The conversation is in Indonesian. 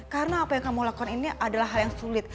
karena apa yang kamu lakon ini adalah hal yang sulit